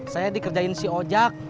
saya dikerjain si ojak